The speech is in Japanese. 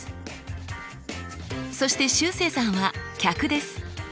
そしてしゅうせいさんは客です。